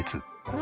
何？